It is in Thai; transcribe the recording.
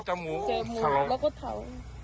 จมูกแล้วก็เถา